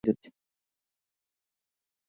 دا غنم پخیدلي دي.